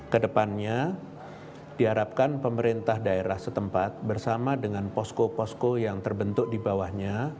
kedepannya diharapkan pemerintah daerah setempat bersama dengan posko posko yang terbentuk di bawahnya